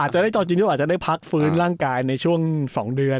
อาจจะได้พักฟื้นร่างกายในช่วง๒เดือน